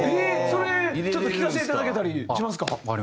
それちょっと聴かせていただけたりしますか？